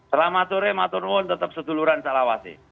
selamat sore mbak tunun tetap seduluran salawasi